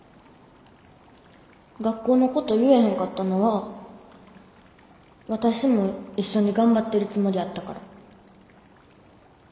学校のこと言えへんかったのは私も一緒に頑張ってるつもりやったから。